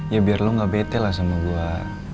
ya biar lo gak bete lah sama gue